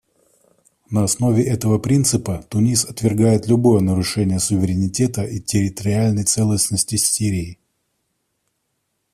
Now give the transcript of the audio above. На основе этого принципа Тунис отвергает любое нарушение суверенитета и территориальной целостности Сирии.